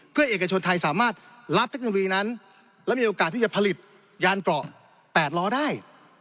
เพื่อเอกชนไทยสามารถรับเทคโนโลยีนั้นและมีโอกาสที่จะผลิตยานเกราะ๘ล้อได้